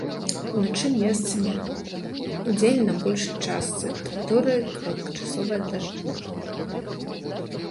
Уначы месцамі, удзень на большай частцы тэрыторыі кароткачасовыя дажджы.